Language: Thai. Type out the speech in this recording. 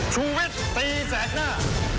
ชุวิตตีแสกหน้า